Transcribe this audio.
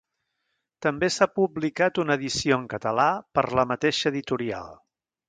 També s'ha publicat una edició en català per la mateixa editorial.